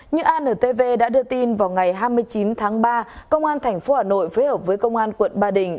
như antv đã đưa tin vào ngày hai mươi chín tháng ba công an tp hà nội phối hợp với công an quận ba đình